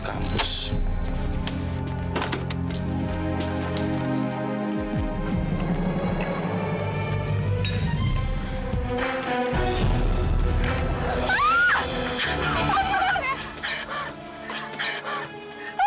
tuhan bener ya